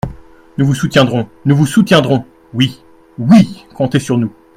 »Nous vous soutiendrons ! nous vous soutiendrons ! »Oui ! oui ! comptez sur nous.